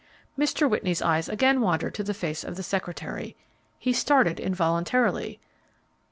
Mr. Whitney's eyes again wandered to the face of the secretary. He started involuntarily.